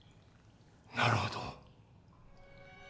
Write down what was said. なるほど。